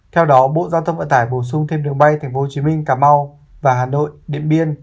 theo đó bộ giao thông vận tải bổ sung thêm đường bay tp hcm cà mau và hà nội điện biên